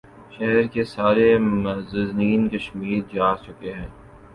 شہر کے سارے معززین کشمیر جا چکے ہیں۔